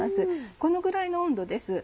このぐらいの温度です。